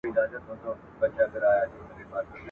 اختر په وینو !.